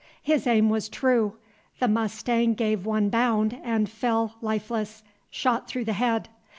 His aim was true; the mustang gave one bound and fell lifeless, shot through the head.